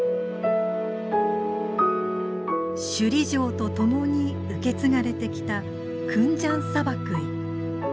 首里城と共に受け継がれてきた「国頭サバクイ」。